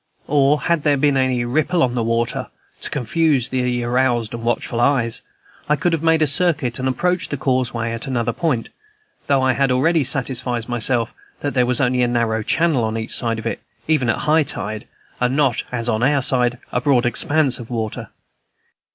Or had there been any ripple on the water, to confuse the aroused and watchful eyes, I could have made a circuit and approached the causeway at another point, though I had already satisfied myself that there was only a narrow channel on each side of it, even at high tide, and not, as on our side, a broad expanse of water.